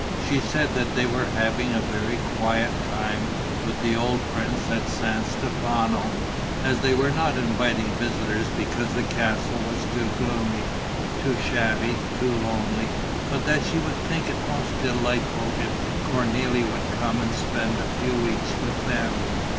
She said that they were having a very quiet time with the old prince at San Stefano, as they were not inviting visitors because the castle was too gloomy, too shabby, too lonely, but that she would think it most delightful if Cornélie would come and spend a few weeks with them.